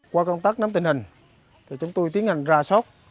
qua công tác nắm tình hình chúng tôi tiến hành ra sốt